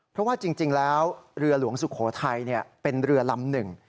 เพราะว่าจริงแล้วเรือหลวงสุโขทัยเป็นเรือลำหนึ่ง